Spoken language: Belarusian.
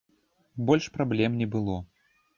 Больш праблем не было.